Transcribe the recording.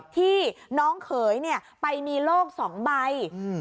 ที่น้องเขยไปมีโลกสองใบ